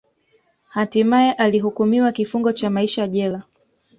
Hatimae alihukumiwa kifungo cha maisha jela